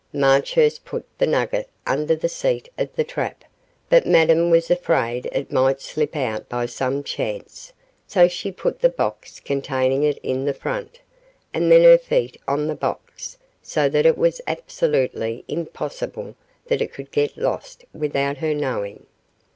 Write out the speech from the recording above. Marchurst put the nugget under the seat of the trap, but Madame was afraid it might slip out by some chance, so she put the box containing it in front, and then her feet on the box, so that it was absolutely impossible that it could get lost without her knowing.